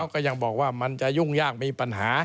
ก็ยังบอกว่ามันจะยุ่งยากมีปัญหา